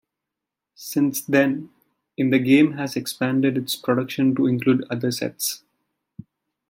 Since then, In The Game has expanded its production to include other sets.